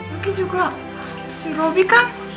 lagi juga si robi kan gak cinta sama si rere